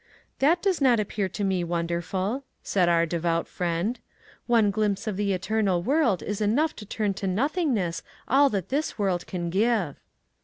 ^^ That does not appear to me wonderful," said our devout friend :'^ One glimpse of the eternal world is enough to turn to no thingness all that this world can give."